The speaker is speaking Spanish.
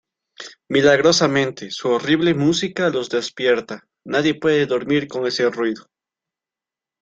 Milagrosamente, su horrible música los despierta; nadie puede dormir con ese ruido.